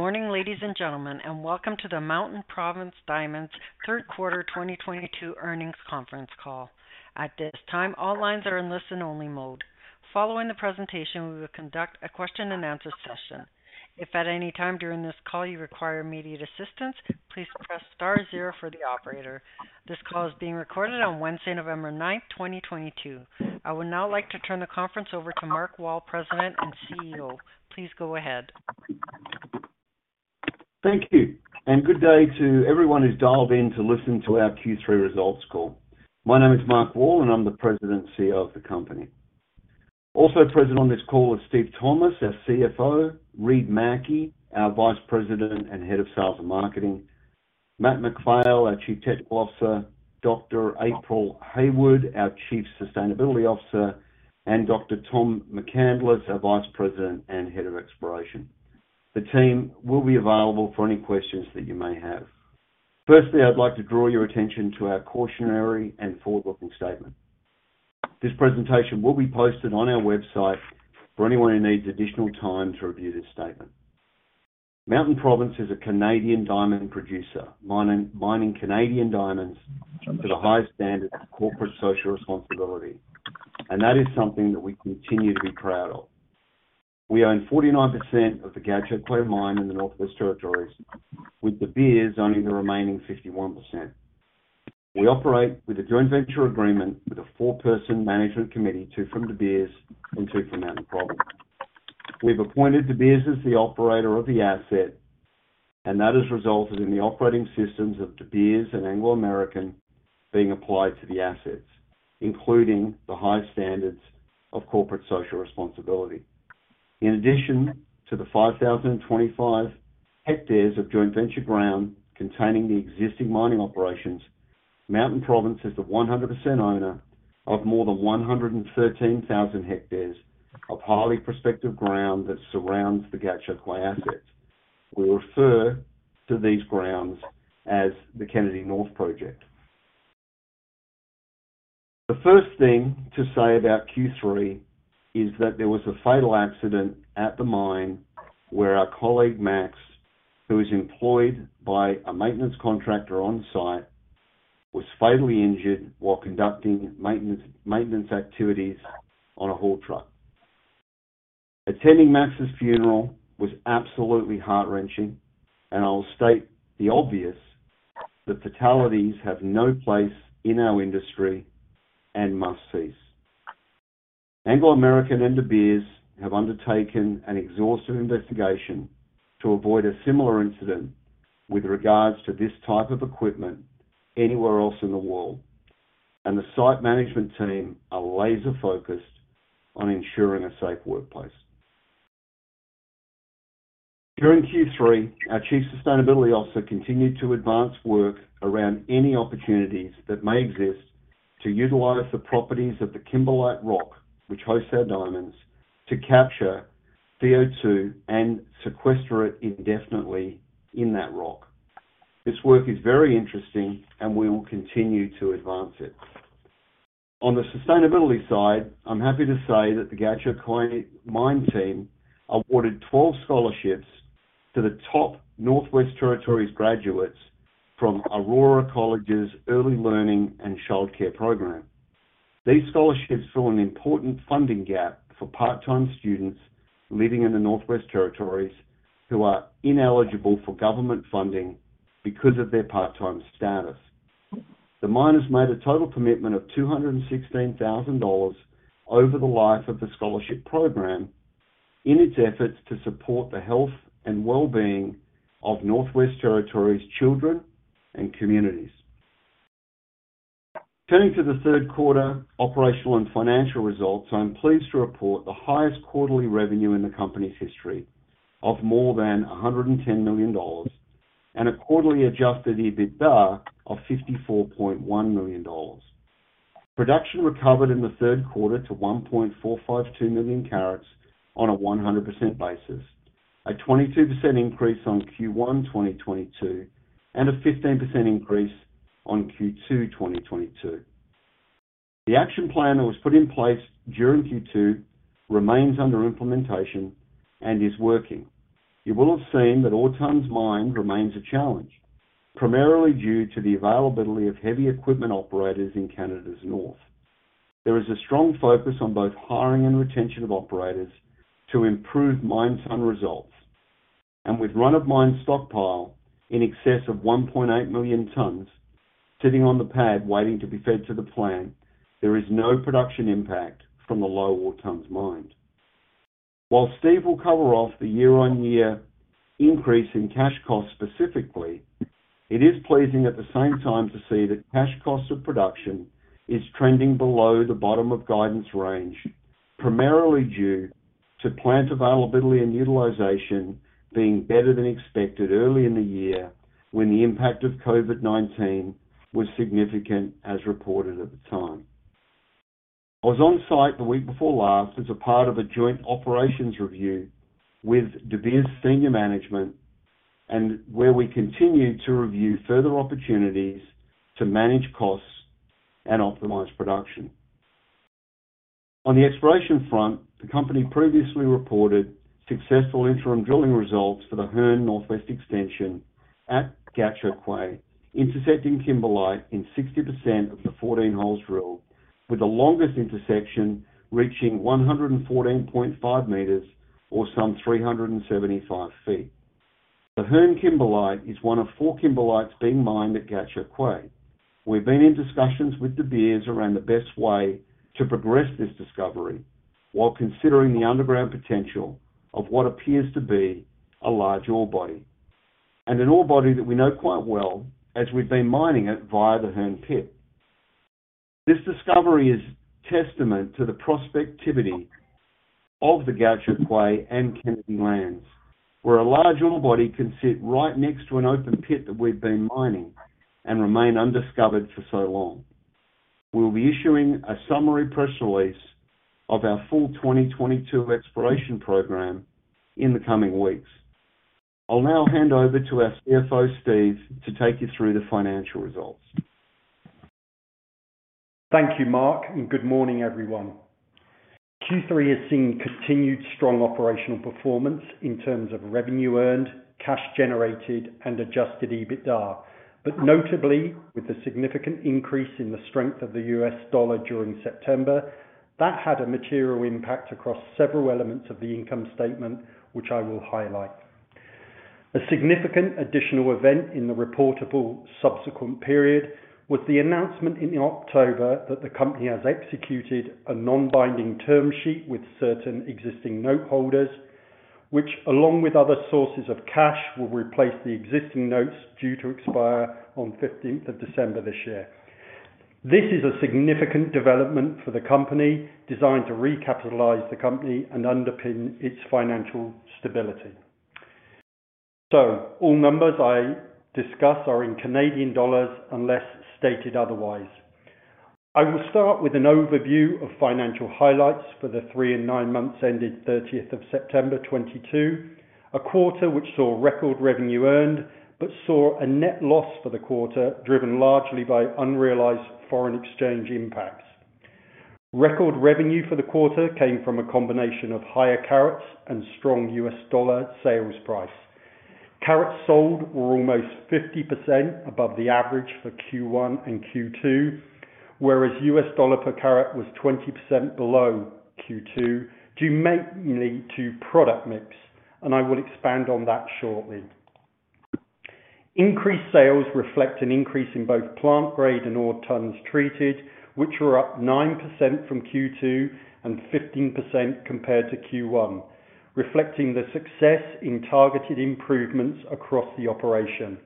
Good morning, ladies and gentlemen, and Welcome to the Mountain Province Diamonds Third Quarter 2022 Earnings Conference Call. At this time, all lines are in listen-only mode. Following the presentation, we will conduct a question-and-answer session. If at any time during this call you require immediate assistance, please press star zero for the operator. This call is being recorded on Wednesday, November 9, 2022. I would now like to turn the conference over to Mark Wall, President and CEO. Please go ahead. Thank you, and good day to everyone who's dialed in to listen to our Q3 results call. My name is Mark Wall, and I'm the President and CEO of the company. Also present on this call is Steve Thomas, our CFO, Reid Mackie, our Vice President and Head of Sales and Marketing, Matt MacPhail, our Chief Technical Officer, Dr. April Hayward, our Chief Sustainability Officer, and Dr. Tom McCandless, our Vice President and Head of Exploration. The team will be available for any questions that you may have. Firstly, I'd like to draw your attention to our cautionary and forward-looking statement. This presentation will be posted on our website for anyone who needs additional time to review this statement. Mountain Province is a Canadian diamond producer, mining Canadian diamonds to the highest standards of corporate social responsibility. That is something that we continue to be proud of. We own 49% of the Gahcho Kué mine in the Northwest Territories, with De Beers owning the remaining 51%. We operate with a joint venture agreement with a four-person management committee, two from De Beers and two from Mountain Province. We've appointed De Beers as the operator of the asset, and that has resulted in the operating systems of De Beers and Anglo American being applied to the assets, including the high standards of corporate social responsibility. In addition to the 5,025 hectares of joint venture ground containing the existing mining operations, Mountain Province is the 100% owner of more than 113,000 hectares of highly prospective ground that surrounds the Gahcho Kué asset. We refer to these grounds as the Kennady North Project. The first thing to say about Q3 is that there was a fatal accident at the mine where our colleague, Max, who was employed by a maintenance contractor on site, was fatally injured while conducting maintenance activities on a haul truck. Attending Max's funeral was absolutely heart-wrenching, and I'll state the obvious that fatalities have no place in our industry and must cease. Anglo American and De Beers have undertaken an exhaustive investigation to avoid a similar incident with regards to this type of equipment anywhere else in the world, and the site management team are laser-focused on ensuring a safe workplace. During Q3, our Chief Sustainability Officer continued to advance work around any opportunities that may exist to utilize the properties of the kimberlite rock, which hosts our diamonds, to capture CO2 and sequester it indefinitely in that rock. This work is very interesting, and we will continue to advance it. On the sustainability side, I'm happy to say that the Gahcho Kué mine team awarded 12 scholarships to the top Northwest Territories graduates from Aurora College's Early Learning and Childcare program. These scholarships fill an important funding gap for part-time students living in the Northwest Territories who are ineligible for government funding because of their part-time status. The miners made a total commitment of 216,000 dollars over the life of the scholarship program in its efforts to support the health and well-being of Northwest Territories children and communities. Turning to the third quarter operational and financial results, I'm pleased to report the highest quarterly revenue in the company's history of more than 110 million dollars and a quarterly adjusted EBITDA of 54.1 million dollars. Production recovered in the third quarter to 1.452 million carats on a 100% basis, a 22% increase on Q1 2022 and a 15% increase on Q2 2022. The action plan that was put in place during Q2 remains under implementation and is working. You will have seen that ore tons mined remains a challenge, primarily due to the availability of heavy equipment operators in Canada's North. There is a strong focus on both hiring and retention of operators to improve mine ton results. With run of mine stockpile in excess of 1.8 million tons sitting on the pad waiting to be fed to the plant, there is no production impact from the low ore tons mined. While Steve will cover off the year-on-year increase in cash costs specifically, it is pleasing at the same time to see that cash cost of production is trending below the bottom of guidance range, primarily due to plant availability and utilization being better than expected early in the year when the impact of COVID-19 was significant as reported at the time. I was on site the week before last as a part of a joint operations review with De Beers senior management and where we continued to review further opportunities to manage costs and optimize production. On the exploration front, the company previously reported successful interim drilling results for the Hearne Northwest extension at Gahcho Kué, intercepting kimberlite in 60% of the 14 holes drilled, with the longest intersection reaching 114.5 m or some 375 ft. The Hearne kimberlite is one of four kimberlites being mined at Gahcho Kué. We've been in discussions with De Beers around the best way to progress this discovery while considering the underground potential of what appears to be a large ore body, and an ore body that we know quite well as we've been mining it via the Hearne pit. This discovery is testament to the prospectivity of the Gahcho Kué and Kennady lands, where a large ore body can sit right next to an open pit that we've been mining and remain undiscovered for so long. We'll be issuing a summary press release of our full 2022 exploration program in the coming weeks. I'll now hand over to our CFO, Steve, to take you through the financial results. Thank you, Mark, and good morning, everyone. Q3 has seen continued strong operational performance in terms of revenue earned, cash generated, and adjusted EBITDA. Notably, with the significant increase in the strength of the U.S. Dollar during September, that had a material impact across several elements of the income statement, which I will highlight. A significant additional event in the reportable subsequent period was the announcement in October that the company has executed a non-binding term sheet with certain existing noteholders, which, along with other sources of cash, will replace the existing notes due to expire on 15th of December this year. This is a significant development for the company, designed to recapitalize the company and underpin its financial stability. All numbers I discuss are in Canadian dollars unless stated otherwise. I will start with an overview of financial highlights for the three and nine months ended 30th of September 2022, a quarter which saw record revenue earned, but saw a net loss for the quarter, driven largely by unrealized foreign exchange impacts. Record revenue for the quarter came from a combination of higher carats and strong U.S. dollar sales price. Carats sold were almost 50% above the average for Q1 and Q2, whereas U.S. dollar per carat was 20% below Q2, due mainly to product mix, and I will expand on that shortly. Increased sales reflect an increase in both plant grade and ore tons treated, which were up 9% from Q2 and 15% compared to Q1, reflecting the success in targeted improvements across the operation.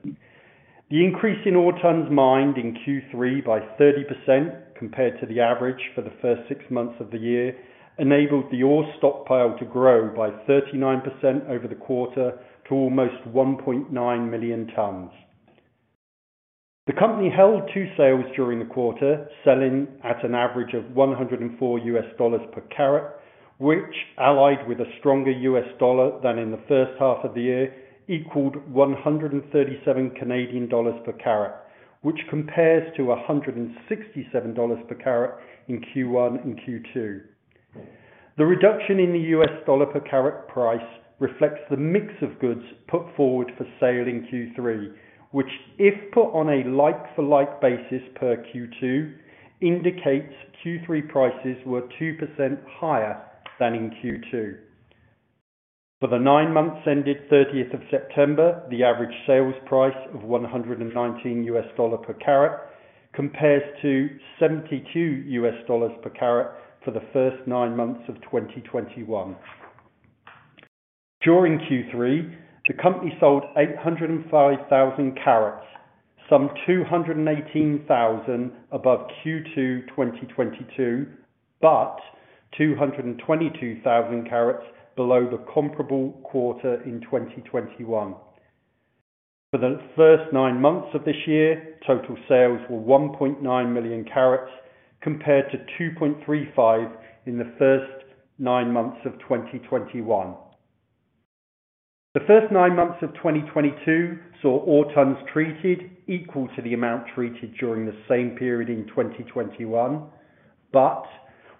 The increase in ore tons mined in Q3 by 30% compared to the average for the first six months of the year enabled the ore stockpile to grow by 39% over the quarter to almost 1.9 million tons. The company held two sales during the quarter, selling at an average of $104 per carat, which allied with a stronger U.S. dollar than in the first half of the year, equaled 137 Canadian dollars per carat, which compares to 167 dollars per carat in Q1 and Q2. The reduction in the U.S. dollar per carat price reflects the mix of goods put forward for sale in Q3, which if put on a like-for-like basis per Q2, indicates Q3 prices were 2% higher than in Q2. For the nine months ended 30th of September, the average sales price of $119 per carat compares to $72 per carat for the first nine months of 2021. During Q3, the company sold 805,000 carats, some 218,000 above Q2 2022, but 222,000 carats below the comparable quarter in 2021. For the first nine months of this year, total sales were 1.9 million carats compared to 2.35 in the first nine months of 2021. The first nine months of 2022 saw ore tons treated equal to the amount treated during the same period in 2021, but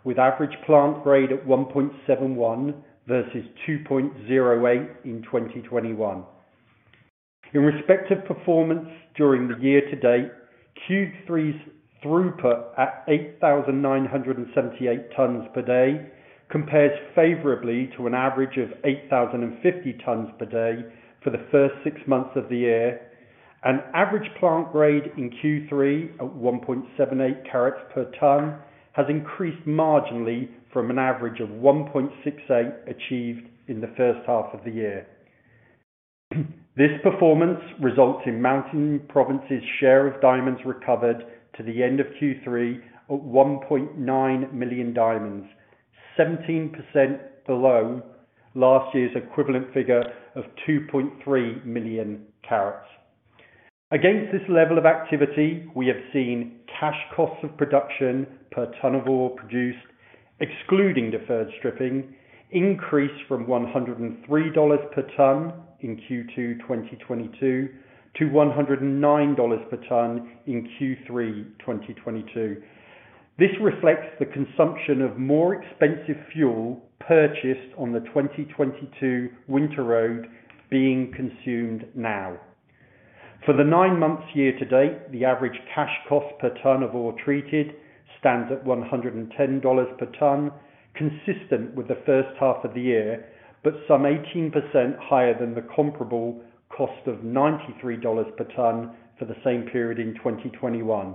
with average plant grade at 1.71 vs 2.08 in 2021. In respect of performance during the year to date, Q3's throughput at 8,978 tons per day compares favorably to an average of 8,050 tons per day for the first six months of the year. An average plant grade in Q3 at 1.78 carats per ton has increased marginally from an average of 1.68 achieved in the first half of the year. This performance results in Mountain Province's share of diamonds recovered to the end of Q3 at 1.9 million diamonds, 17% below last year's equivalent figure of 2.3 million carats. Against this level of activity, we have seen cash costs of production per ton of ore produced, excluding deferred stripping, increase from 103 dollars per ton in Q2 2022 to 109 dollars per ton in Q3 2022. This reflects the consumption of more expensive fuel purchased on the 2022 winter road being consumed now. For the nine months year to date, the average cash cost per ton of ore treated stands at 110 dollars per ton, consistent with the first half of the year, but some 18% higher than the comparable cost of 93 dollars per ton for the same period in 2021.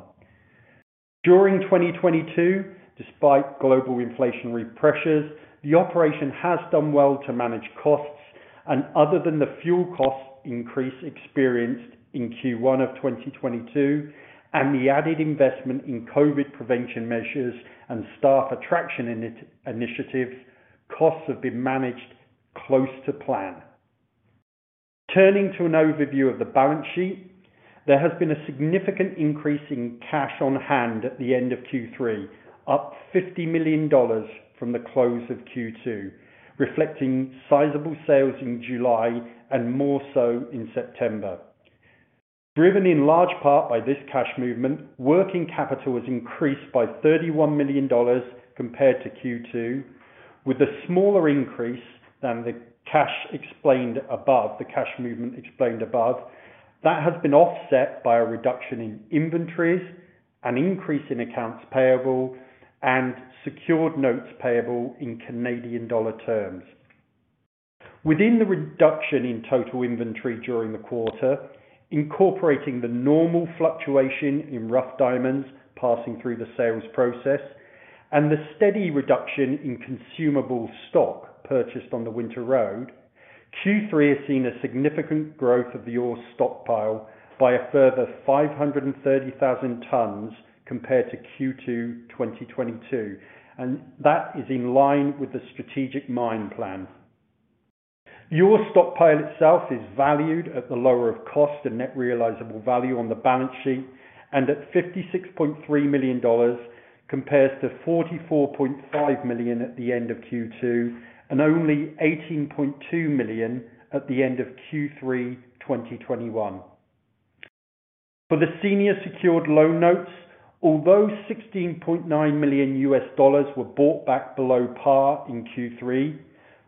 During 2022, despite global inflationary pressures, the operation has done well to manage costs and other than the fuel cost increase experienced in Q1 of 2022 and the added investment in COVID prevention measures and staff attraction initiatives, costs have been managed close to plan. Turning to an overview of the balance sheet, there has been a significant increase in cash on hand at the end of Q3, up 50 million dollars from the close of Q2, reflecting sizable sales in July and more so in September. Driven in large part by this cash movement, working capital was increased by 31 million dollars compared to Q2, with a smaller increase than the cash movement explained above. That has been offset by a reduction in inventories, an increase in accounts payable, and secured notes payable in Canadian dollar terms. Within the reduction in total inventory during the quarter, incorporating the normal fluctuation in rough diamonds passing through the sales process and the steady reduction in consumable stock purchased on the winter road, Q3 has seen a significant growth of the ore stockpile by a further 530,000 tons compared to Q2 2022, and that is in line with the strategic mine plan. The ore stockpile itself is valued at the lower of cost and net realizable value on the balance sheet and at 56.3 million dollars compares to 44.5 million at the end of Q2 and only 18.2 million at the end of Q3 2021. For the senior secured loan notes, although $16.9 million were bought back below par in Q3,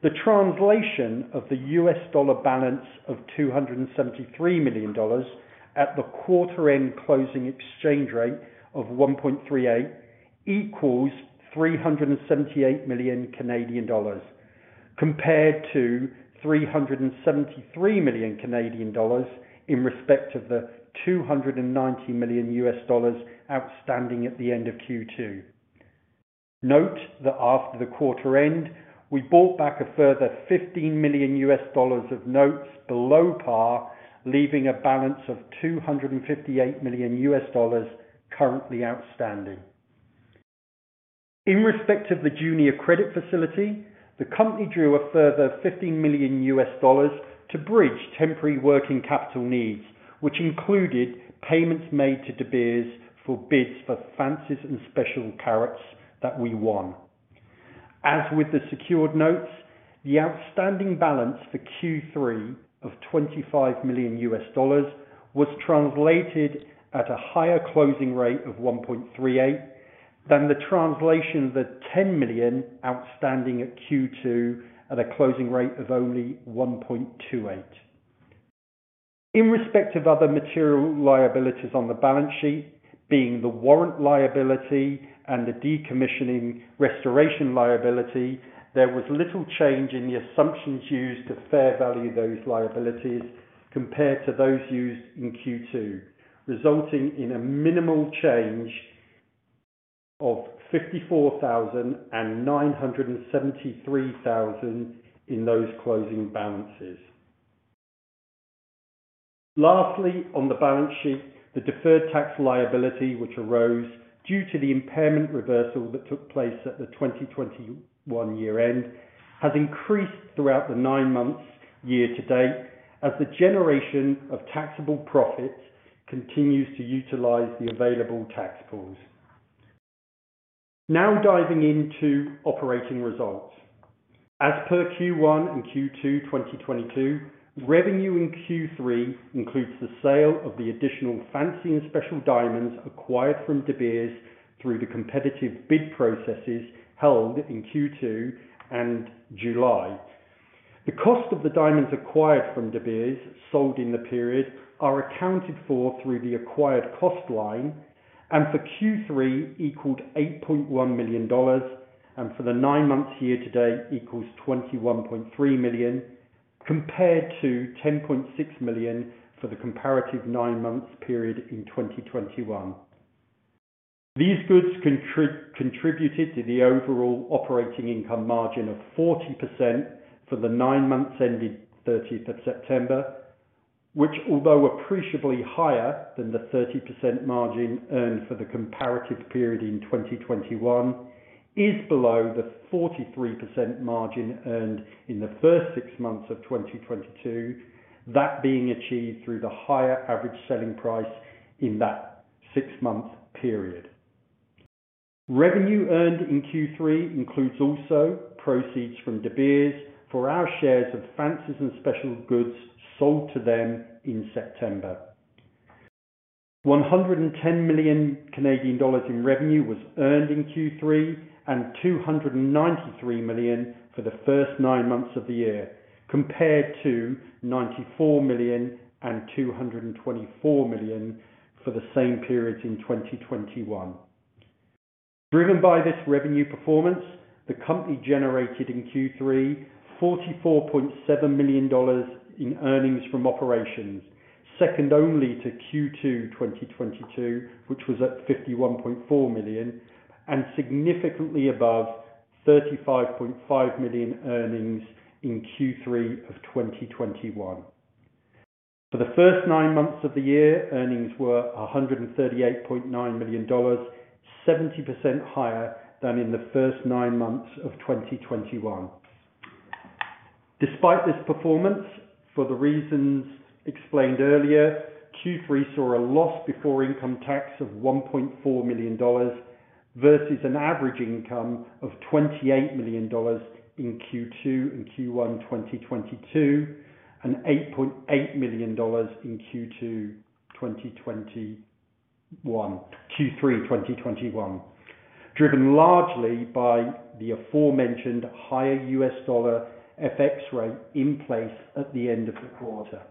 the translation of the U.S. dollar balance of $273 million at the quarter end closing exchange rate of 1.38 equals 378 million Canadian dollars, compared to 373 million Canadian dollars respect of the $290 million outstanding at the end of Q2. Note that after the quarter end, we bought back a further $15 million of notes below par, leaving a balance of $258 million currently outstanding. In respect of the junior credit facility, the company drew a further $15 million to bridge temporary working capital needs, which included payments made to De Beers for bids for fancies and specials that we won. As with the secured notes, the outstanding balance for Q3 of $25 million was translated at a higher closing rate of 1.38 than the translation of the $10 million outstanding at Q2 at a closing rate of only 1.28. In respect of other material liabilities on the balance sheet, being the warrant liability and the decommissioning restoration liability, there was little change in the assumptions used to fair value those liabilities compared to those used in Q2, resulting in a minimal change of $54,000 and $973,000 in those closing balances. Lastly, on the balance sheet, the deferred tax liability, which arose due to the impairment reversal that took place at the 2021 year end, has increased throughout the nine months year to date as the generation of taxable profits continues to utilize the available tax pools. Now diving into operating results. As per Q1 and Q2 2022, revenue in Q3 includes the sale of the additional fancy and special diamonds acquired from De Beers through the competitive bid processes held in Q2 and July. The cost of the diamonds acquired from De Beers sold in the period are accounted for through the acquired cost line, and for Q3 equaled 8.1 million dollars, and for the nine months year to date equals 21.3 million, compared to 10.6 million for the comparative nine months period in 2021. These goods contributed to the overall operating income margin of 40% for the nine months ending thirtieth of September, which although appreciably higher than the 30% margin earned for the comparative period in 2021, is below the 43% margin earned in the first six months of 2022, that being achieved through the higher average selling price in that six-month period. Revenue earned in Q3 includes also proceeds from De Beers for our shares of fancies and specials sold to them in September. 110 million Canadian dollars in revenue was earned in Q3 and 293 million for the first nine months of the year, compared to 94 million and 224 million for the same periods in 2021. Driven by this revenue performance, the company generated in Q3 44.7 million dollars in earnings from operations, second only to Q2 2022, which was at 51.4 million and significantly above 35.5 million earnings in Q3 of 2021. For the first nine months of the year, earnings were 138.9 million dollars, 70% higher than in the first nine months of 2021. Despite this performance, for the reasons explained earlier, Q3 saw a loss before income tax of 1.4 million dollars vs an average income of 28 million dollars in Q2 and Q1 2022, and CAD 8.8 million in Q3 2021. Driven largely by the aforementioned higher US dollar FX rate in place at the end of the quarter.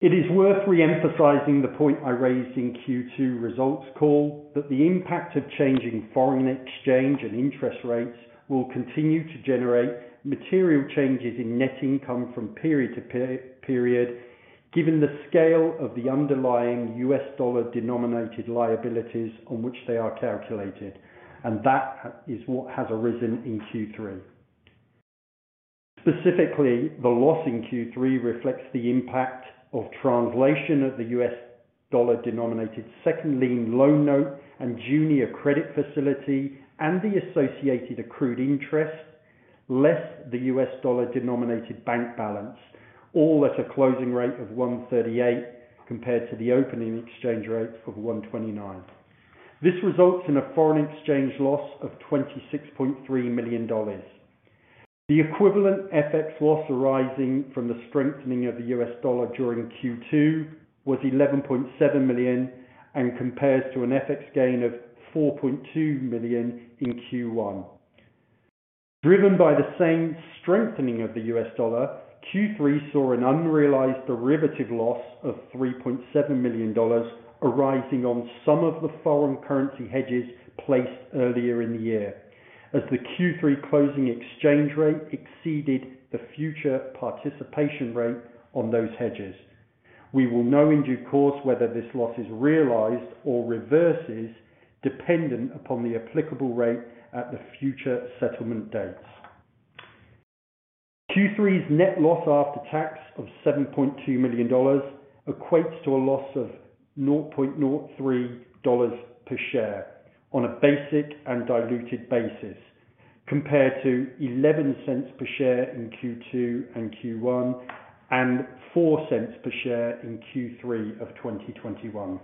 It is worth re-emphasizing the point I raised in Q2 results call that the impact of changing foreign exchange and interest rates will continue to generate material changes in net income from period to per-period, given the scale of the underlying U.S. Dollar denominated liabilities on which they are calculated, and that is what has arisen in Q3. Specifically, the loss in Q3 reflects the impact of translation of the U.S. dollar-denominated second lien loan note and junior credit facility and the associated accrued interest, less the U.S. dollar-denominated bank balance, all at a closing rate of 1.38 compared to the opening exchange rate of 1.29. This results in a foreign exchange loss of 26.3 million dollars. The equivalent FX loss arising from the strengthening of the U.S. dollar during Q2 was $11.7 million, and compares to an FX gain of $4.2 million in Q1. Driven by the same strengthening of the U.S. dollar, Q3 saw an unrealized derivative loss of $3.7 million arising on some of the foreign currency hedges placed earlier in the year. As the Q3 closing exchange rate exceeded the future participation rate on those hedges. We will know in due course whether this loss is realized or reverses dependent upon the applicable rate at the future settlement dates. Q3's net loss after tax of $7.2 million equates to a loss of $0.03 per share on a basic and diluted basis, compared to $0.11 per share in Q2 and Q1, and $0.04 per share in Q3 of 2021.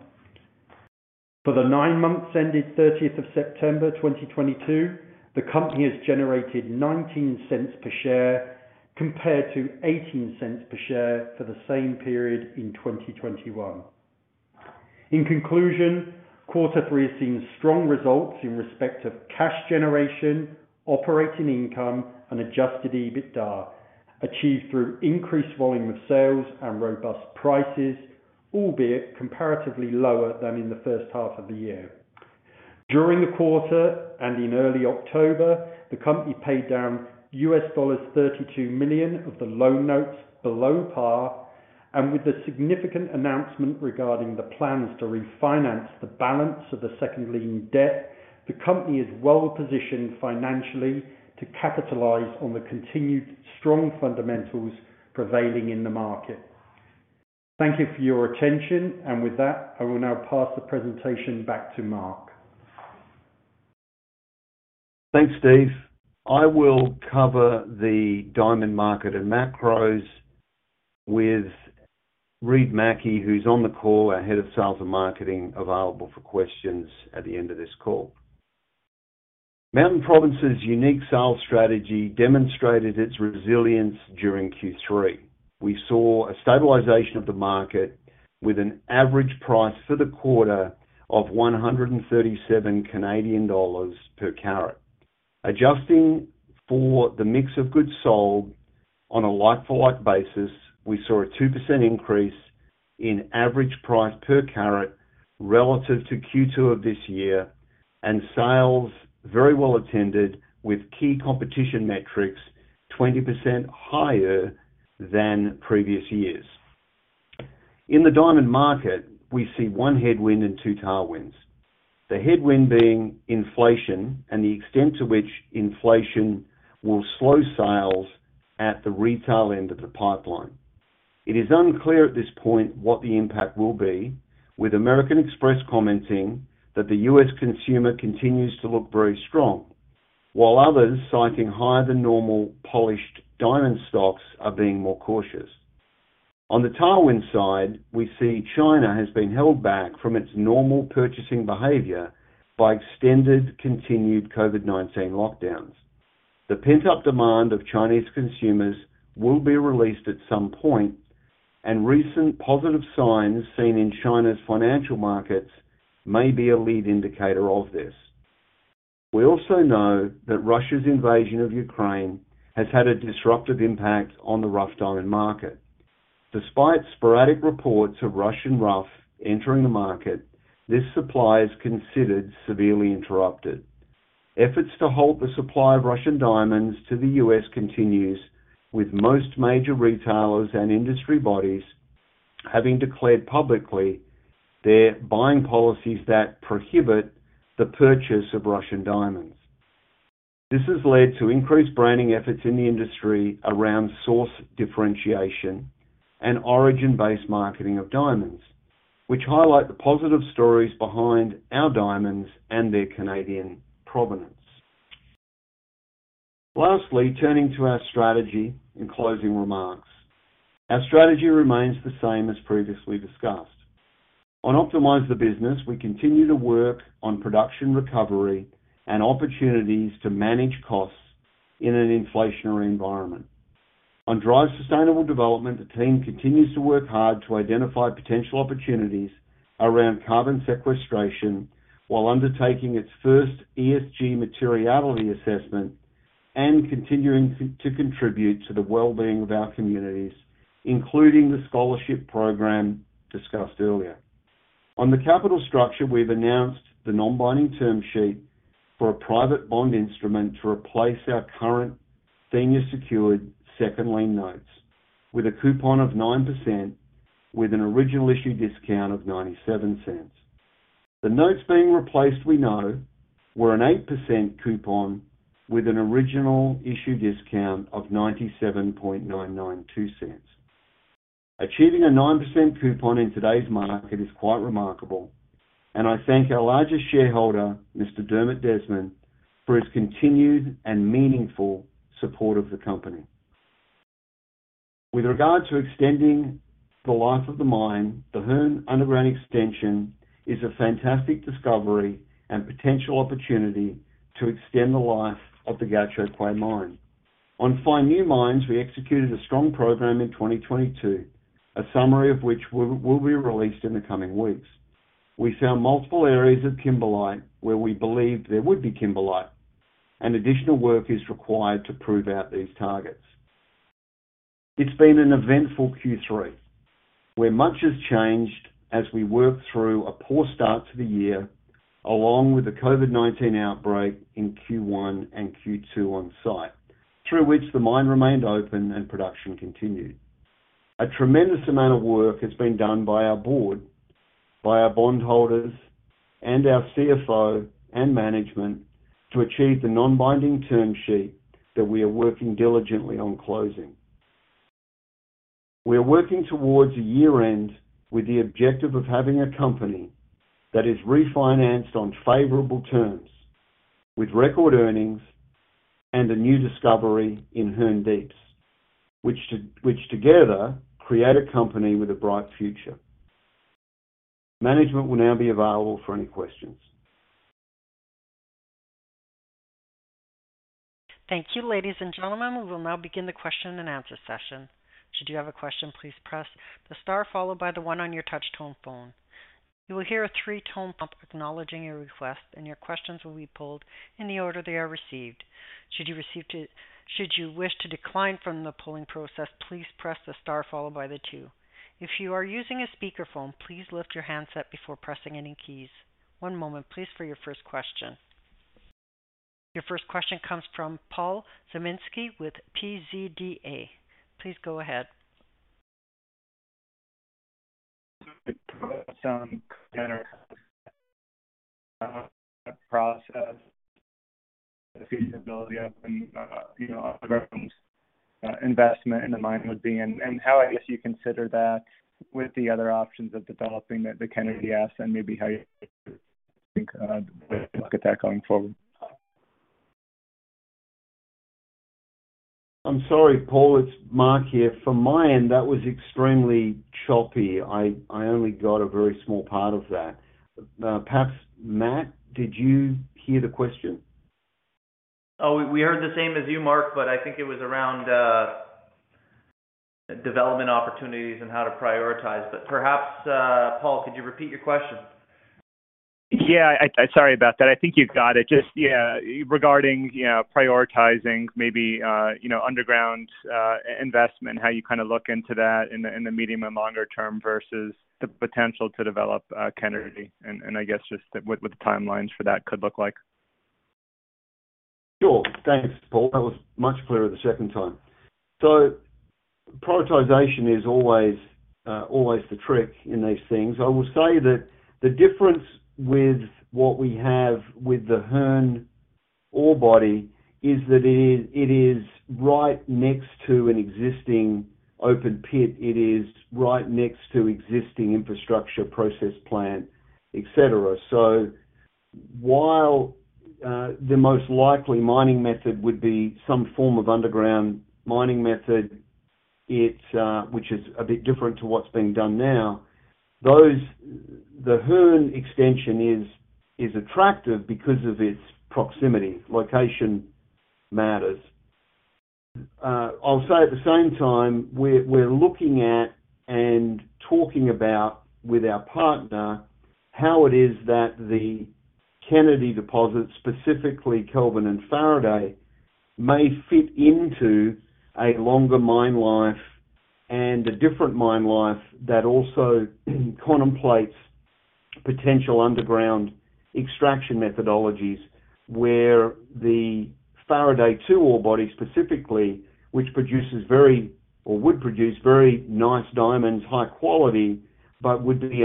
For the nine months ended thirtieth of September 2022, the company has generated $0.19 per share, compared to $0.18 per share for the same period in 2021. In conclusion, quarter three has seen strong results in respect of cash generation, operating income, and adjusted EBITDA, achieved through increased volume of sales and robust prices, albeit comparatively lower than in the first half of the year. During the quarter and in early October, the company paid down $32 million of the loan notes below par, and with the significant announcement regarding the plans to refinance the balance of the second lien debt, the company is well positioned financially to capitalize on the continued strong fundamentals prevailing in the market. Thank you for your attention. With that, I will now pass the presentation back to Mark. Thanks, Steve. I will cover the diamond market and macros with Reid Mackie, who's on the call, our Head of Sales and Marketing, available for questions at the end of this call. Mountain Province's unique sales strategy demonstrated its resilience during Q3. We saw a stabilization of the market with an average price for the quarter of 137 Canadian dollars per carat. Adjusting for the mix of goods sold on a like-for-like basis, we saw a 2% increase in average price per carat relative to Q2 of this year, and sales very well attended with key competition metrics 20% higher than previous years. In the diamond market, we see one headwind and two tailwinds. The headwind being inflation and the extent to which inflation will slow sales at the retail end of the pipeline. It is unclear at this point what the impact will be, with American Express commenting that the U.S. consumer continues to look very strong, while others citing higher than normal polished diamond stocks are being more cautious. On the tailwind side, we see China has been held back from its normal purchasing behavior by extended continued COVID-19 lockdowns. The pent up demand of Chinese consumers will be released at some point, and recent positive signs seen in China's financial markets may be a lead indicator of this. We also know that Russia's invasion of Ukraine has had a disruptive impact on the rough diamond market. Despite sporadic reports of Russian rough entering the market, this supply is considered severely interrupted. Efforts to halt the supply of Russian diamonds to the U.S. continues, with most major retailers and industry bodies having declared publicly their buying policies that prohibit the purchase of Russian diamonds. This has led to increased branding efforts in the industry around source differentiation and origin-based marketing of diamonds, which highlight the positive stories behind our diamonds and their Canadian provenance. Lastly, turning to our strategy and closing remarks. Our strategy remains the same as previously discussed. On optimize the business, we continue to work on production, recovery and opportunities to manage costs in an inflationary environment. On drive sustainable development, the team continues to work hard to identify potential opportunities around carbon sequestration, while undertaking its first ESG materiality assessment and continuing to contribute to the well-being of our communities, including the scholarship program discussed earlier. On the capital structure, we've announced the non-binding term sheet for a private bond instrument to replace our current senior secured second lien notes with a coupon of 9% with an original issue discount of 0.97. The notes being replaced we know were an 8% coupon with an original issue discount of 0.97992. Achieving a 9% coupon in today's market is quite remarkable, and I thank our largest shareholder, Mr. Dermot Desmond, for his continued and meaningful support of the company. With regard to extending the life of the mine, the Hearne underground extension is a fantastic discovery and potential opportunity to extend the life of the Gahcho Kué mine. On finding new mines, we executed a strong program in 2022, a summary of which will be released in the coming weeks. We found multiple areas of kimberlite where we believe there would be kimberlite, and additional work is required to prove out these targets. It's been an eventful Q3 where much has changed as we work through a poor start to the year, along with the COVID-19 outbreak in Q1 and Q2 on site, through which the mine remained open and production continued. A tremendous amount of work has been done by our board, by our bondholders, and our CFO and management to achieve the non-binding term sheet that we are working diligently on closing. We are working towards a year-end with the objective of having a company that is refinanced on favorable terms with record earnings and a new discovery in Hearne Deeps, which together create a company with a bright future. Management will now be available for any questions. Thank you, ladies and gentlemen. We will now begin the question and answer session. Should you have a question, please press the star followed by the one on your touch tone phone. You will hear a three-tone prompt acknowledging your request, and your questions will be queued in the order they are received. Should you wish to decline from the polling process, please press the star followed by the two. If you are using a speakerphone, please lift your handset before pressing any keys. One moment please for your first question. Your first question comes from Paul Zimnisky with PZDA. Please go ahead. Some general process, the feasibility of, you know, investment in the mine would be and how, I guess, you consider that with the other options of developing the Kennady asset and maybe how you think look at that going forward. I'm sorry, Paul, it's Mark here. From my end, that was extremely choppy. I only got a very small part of that. Perhaps, Matt, did you hear the question? Oh, we heard the same as you, Mark, but I think it was around development opportunities and how to prioritize. Perhaps, Paul, could you repeat your question? Yeah. Sorry about that. I think you've got it. Just, yeah, regarding, you know, prioritizing maybe, you know, underground investment, how you kinda look into that in the medium and longer term vs the potential to develop Kennady. I guess just what the timelines for that could look like. Sure. Thanks, Paul. That was much clearer the second time. Prioritization is always the trick in these things. I will say that the difference with what we have with the Hearne ore body is that it is right next to an existing open pit. It is right next to existing infrastructure, process plant, etc. While the most likely mining method would be some form of underground mining method, which is a bit different to what's being done now, the Hearne extension is attractive because of its proximity. Location matters. I'll say at the same time, we're looking at and talking about with our partner, how it is that the Kennady deposit, specifically Kelvin and Faraday, may fit into a longer mine life and a different mine life that also contemplates potential underground extraction methodologies. Where the Faraday 2 ore body specifically, which would produce very nice diamonds, high quality, but would be largely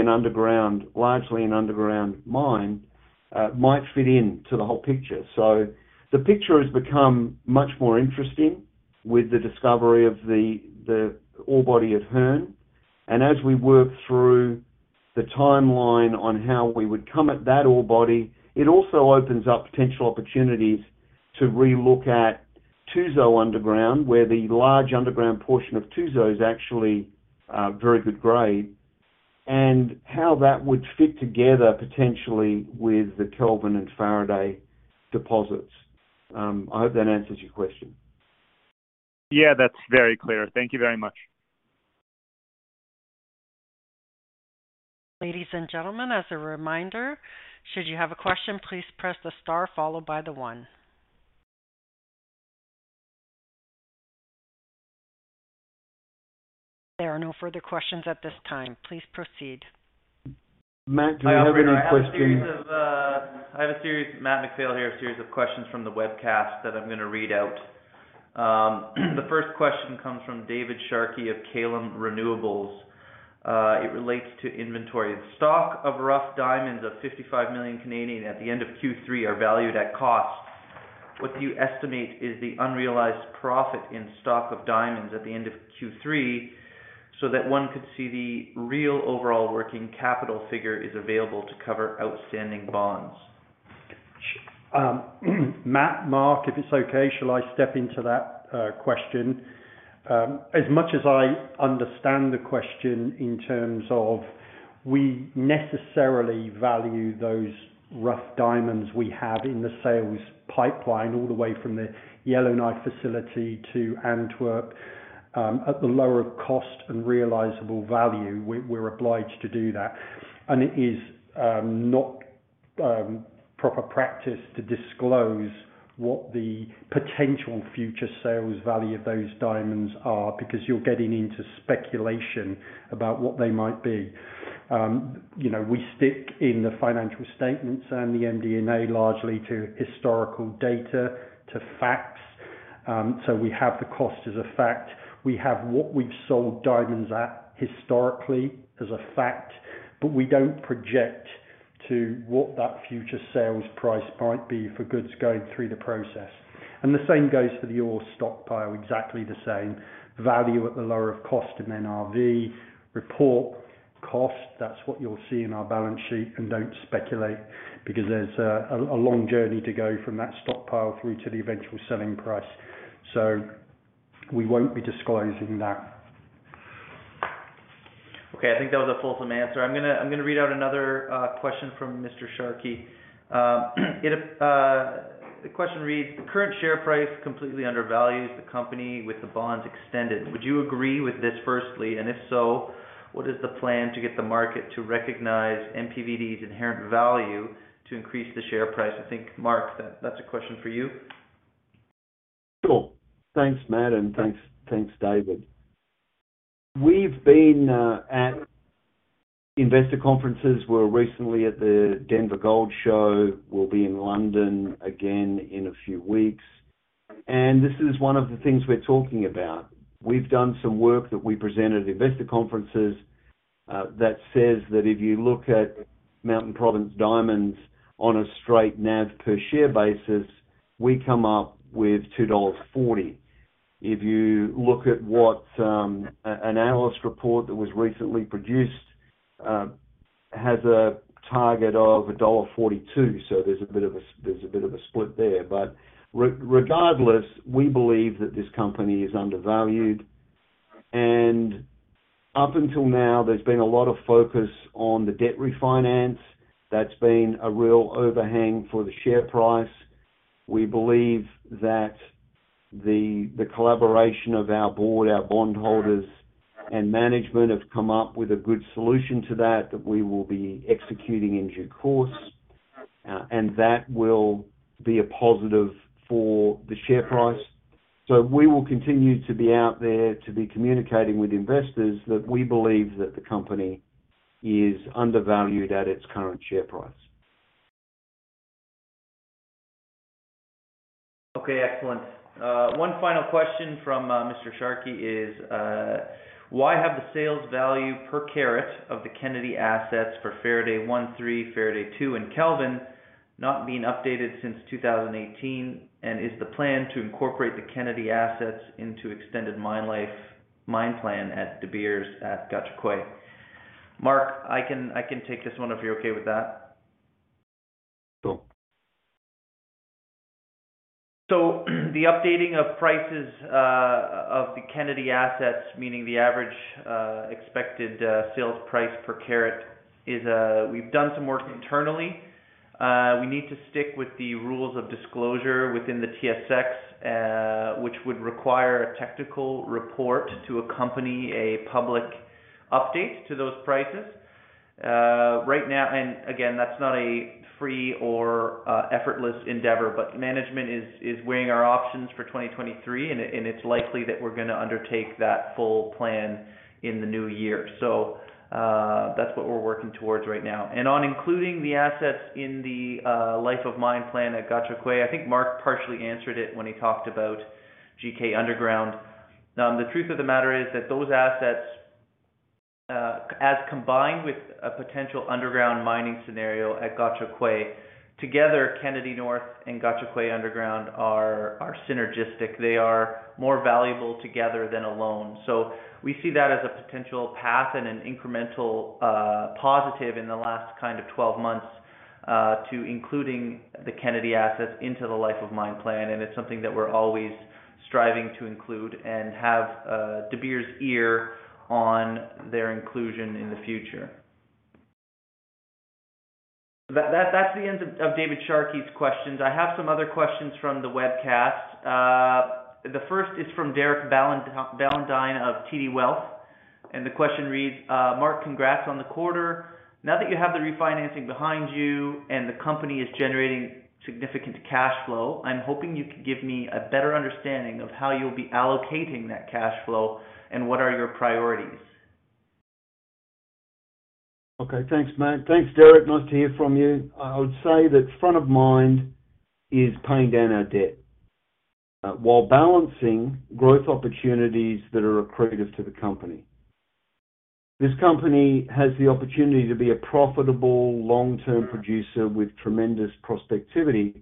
an underground mine, might fit into the whole picture. The picture has become much more interesting with the discovery of the ore body at Hearne. As we work through the timeline on how we would come at that ore body, it also opens up potential opportunities to re-look at Tuzo underground, where the large underground portion of Tuzo is actually very good grade, and how that would fit together potentially with the Kelvin and Faraday deposits. I hope that answers your question. Yeah, that's very clear. Thank you very much. Ladies and gentlemen, as a reminder, should you have a question, please press the star followed by the one. There are no further questions at this time. Please proceed. Matt, do you have any questions? Hi, operator. Matt MacPhail here. A series of questions from the webcast that I'm gonna read out. The first question comes from Richard Hatch of Berenberg. It relates to inventory. The stock of rough diamonds of 55 million at the end of Q3 are valued at cost. What do you estimate is the unrealized profit in stock of diamonds at the end of Q3, so that one could see the real overall working capital figure is available to cover outstanding bonds? Matt, Mark, if it's okay, shall I step into that question? As much as I understand the question in terms of we necessarily value those rough diamonds we have in the sales pipeline all the way from the Yellowknife facility to Antwerp, at the lower of cost and net realizable value. We're obliged to do that. It is not proper practice to disclose what the potential future sales value of those diamonds are because you're getting into speculation about what they might be. You know, we stick in the financial statements and the MD&A largely to historical data, to facts. We have the cost as a fact. We have what we've sold diamonds at historically as a fact, but we don't project to what that future sales price might be for goods going through the process. The same goes for the ore stockpile, exactly the same. Value at the lower of cost and NRV. Report cost, that's what you'll see in our balance sheet. Don't speculate because there's a long journey to go from that stockpile through to the eventual selling price. We won't be disclosing that. Okay. I think that was a fulsome answer. I'm gonna read out another question from Mr. Hatch. The question reads, "The current share price completely undervalues the company with the bonds extended. Would you agree with this, firstly? And if so, what is the plan to get the market to recognize MPV's inherent value to increase the share price?" I think, Mark, that's a question for you. Sure. Thanks, Matt, and thanks, David. We've been at investor conferences. We were recently at the Denver Gold Show. We'll be in London again in a few weeks, and this is one of the things we're talking about. We've done some work that we present at investor conferences that says that if you look at Mountain Province Diamonds on a straight NAV per share basis, we come up with 2.40 dollars. If you look at what an analyst report that was recently produced has a target of dollar 1.42. There's a bit of a split there. But regardless, we believe that this company is undervalued. Up until now, there's been a lot of focus on the debt refinance. That's been a real overhang for the share price. We believe that the collaboration of our board, our bond holders and management have come up with a good solution to that we will be executing in due course. That will be a positive for the share price. We will continue to be out there to be communicating with investors that we believe that the company is undervalued at its current share price. Okay, excellent. One final question from Mr. Hatch is, "Why have the sales value per carat of the Kennady assets for Faraday One, Three, Faraday Two, and Kelvin not been updated since 2018? And is the plan to incorporate the Kennady assets into extended mine life, mine plan at De Beers at Gahcho Kué?" Mark, I can take this one if you're okay with that. Cool. The updating of prices of the Kennady assets, meaning the average expected sales price per carat. We've done some work internally. We need to stick with the rules of disclosure within the TSX, which would require a technical report to accompany a public update to those prices. Right now, again, that's not a free or effortless endeavor, but management is weighing our options for 2023, and it's likely that we're gonna undertake that full plan in the new year. That's what we're working towards right now. On including the assets in the life of mine plan at Gahcho Kué, I think Mark partially answered it when he talked about Gahcho Kué Underground. The truth of the matter is that those assets, as combined with a potential underground mining scenario at Gahcho Kué, together, Kennady North and Gahcho Kué Underground are synergistic. They are more valuable together than alone. We see that as a potential path and an incremental positive in the last kind of 12 months to including the Kennady assets into the life of mine plan. It's something that we're always striving to include and have De Beers' ear on their inclusion in the future. That's the end of Richard Hatch's questions. I have some other questions from the webcast. The first is from Derek Ballantyne of TD Wealth, and the question reads, "Mark, congrats on the quarter. Now that you have the refinancing behind you and the company is generating significant cash flow, I'm hoping you could give me a better understanding of how you'll be allocating that cash flow and what are your priorities? Okay. Thanks, Matt. Thanks, Derek. Nice to hear from you. I would say that front of mind is paying down our debt, while balancing growth opportunities that are accretive to the company. This company has the opportunity to be a profitable long-term producer with tremendous prospectivity,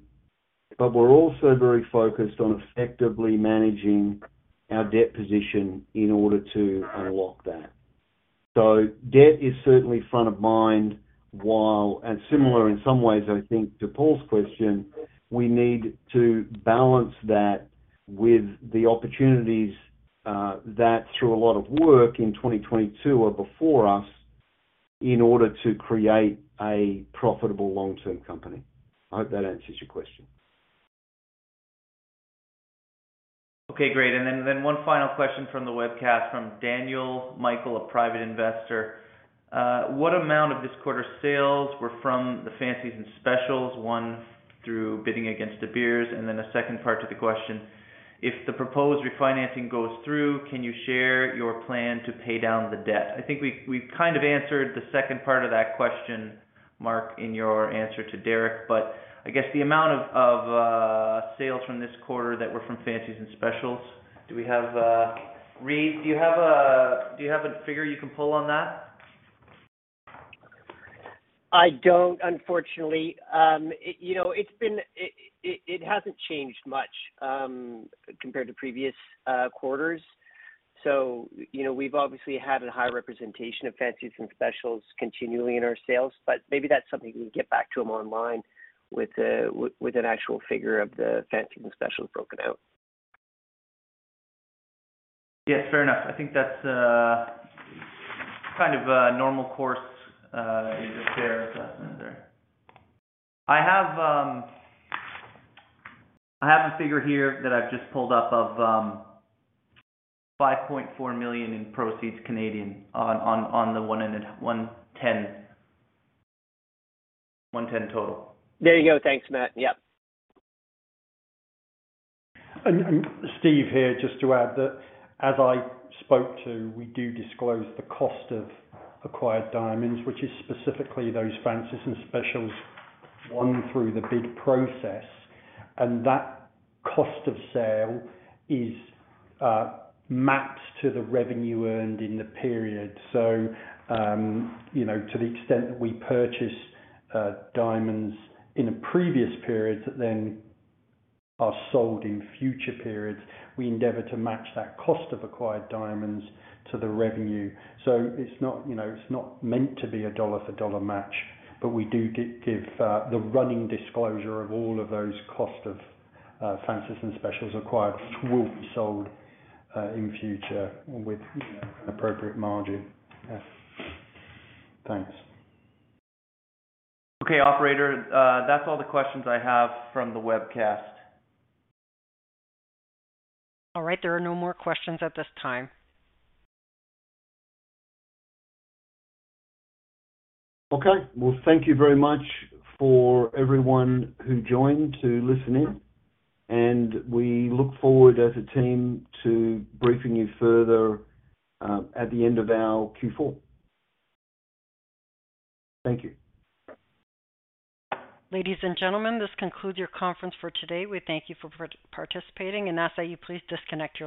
but we're also very focused on effectively managing our debt position in order to unlock that. Debt is certainly front of mind, while, and similar in some ways, I think, to Paul's question, we need to balance that with the opportunities, that through a lot of work in 2022 are before us in order to create a profitable long-term company. I hope that answers your question. Okay, great. One final question from the webcast from Daniel Michael, a Private Investor. What amount of this quarter's sales were from the fancies and specials won through bidding against De Beers? The second part to the question, if the proposed refinancing goes through, can you share your plan to pay down the debt? I think we've kind of answered the second part of that question, Mark, in your answer to Derek. I guess the amount of sales from this quarter that were from fancies and specials. Do we have, Reid, do you have a figure you can pull on that? I don't, unfortunately. It hasn't changed much compared to previous quarters. You know, we've obviously had a high representation of fancies and specials continually in our sales, but maybe that's something we can get back to him offline with an actual figure of the fancies and specials broken out. Yes, fair enough. I think that's kind of a normal course there. I have a figure here that I've just pulled up of 5.4 million in proceeds on the 110 total. There you go. Thanks, Matt. Yep. Steve here, just to add that as I spoke to, we do disclose the cost of acquired diamonds, which is specifically those fancies and specials won through the bid process. That cost of sale is mapped to the revenue earned in the period. You know, to the extent that we purchase diamonds in a previous period that then are sold in future periods, we endeavor to match that cost of acquired diamonds to the revenue. It's not meant to be a dollar for dollar match, but we do give the running disclosure of all of those cost of fancies and specials acquired, which will be sold in future with an appropriate margin. Yes. Thanks. Okay, operator, that's all the questions I have from the webcast. All right. There are no more questions at this time. Okay. Well, thank you very much for everyone who joined to listen in, and we look forward as a team to briefing you further at the end of our Q4. Thank you. Ladies and gentlemen, this concludes your conference for today. We thank you for participating and ask that you please disconnect your lines.